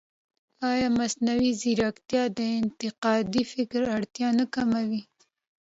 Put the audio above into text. ایا مصنوعي ځیرکتیا د انتقادي فکر اړتیا نه کموي؟